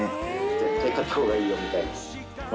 絶対飼ったほうがいいよみたいな。